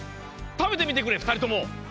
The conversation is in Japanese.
食べてみてくれふたりとも！